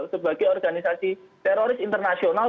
sebagai organisasi teroris internasional